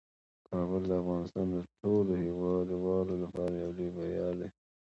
کابل د افغانستان د ټولو هیوادوالو لپاره یو لوی ویاړ دی.